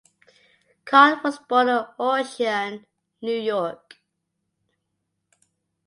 Card was born in Ossian, New York.